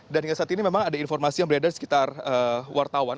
dan hingga saat ini memang ada informasi yang berada di sekitar wartawan